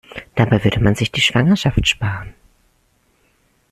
Dabei würde man sich die Schwangerschaft sparen.